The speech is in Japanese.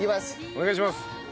お願いします。